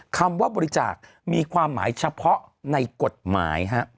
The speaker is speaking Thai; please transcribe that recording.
คำว่าบริจาคมีความหมายเฉพาะในกฎหมาย